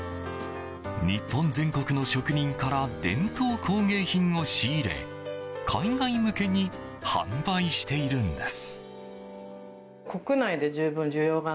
日本全国の職人から伝統工芸品を仕入れ海外向けに販売しているんです。